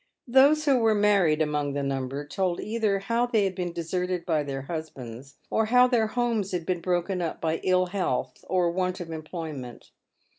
Those who were married among the number told either how they had been deserted by their husbands, or how their homes had been broken up by ill health or want of employment.